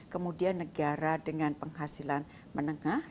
kemudian negara dengan penghasilan menengah